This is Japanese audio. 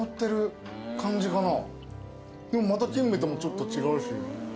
またキンメともちょっと違うし。